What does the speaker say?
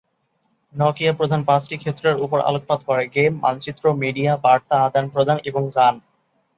Nokia প্রধানত পাঁচটি ক্ষেত্রের উপর আলোকপাত করে; গেম, মানচিত্র, মিডিয়া, বার্তা আদান-প্রদান এবং গান।